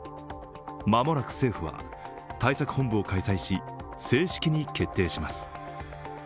間もなく政府は対策本部を開催し、正式に決定します。